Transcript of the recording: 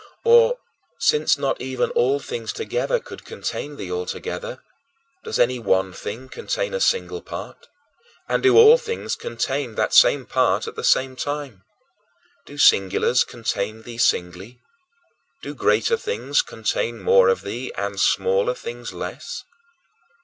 Or, since not even all things together could contain thee altogether, does any one thing contain a single part, and do all things contain that same part at the same time? Do singulars contain thee singly? Do greater things contain more of thee, and smaller things less?